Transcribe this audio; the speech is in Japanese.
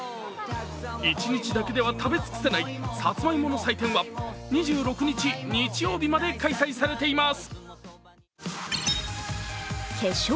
一日だけでは食べ尽くせないさつまいもの祭典は、２６日、日曜日まで開催されています。